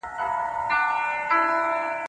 د شپې له خوا هلته کوم حیوان تېر سو.